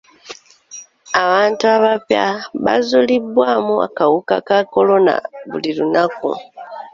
Abantu abapya bazuulibwamu akawuka ka kolona buli lunaku.